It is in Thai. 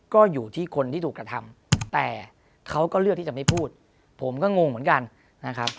ก็อยู่ที่คนที่ถูกกระทำแต่เขาก็เลือกที่จะไม่พูดผมก็งงเหมือนกันนะครับ